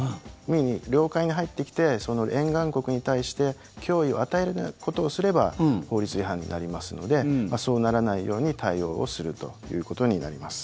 領海に入ってきてその沿岸国に対して脅威を与えるようなことをすれば法律違反になりますのでそうならないように対応をするということになります。